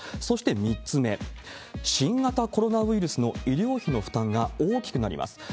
そして３つ目、新型コロナウイルスの医療費の負担が大きくなります。